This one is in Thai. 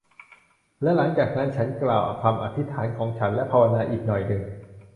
และหลังจากนั้นฉันกล่าวคำอธิษฐานของฉัน และภาวนาอีกหน่อยนึง